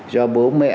do bố mẹ